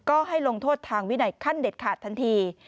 ก็ให้ลงโทษทางวินัยขั้นเด็ดขาดทันที